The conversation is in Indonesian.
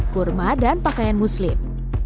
kurma dan pakaian muslim